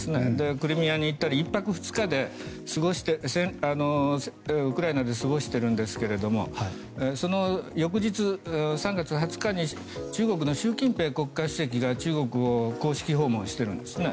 クリミアに行ったり１泊２日ウクライナで過ごしているんですけどその翌日、３月２０日に中国の習近平国家主席が公式訪問しているんですね。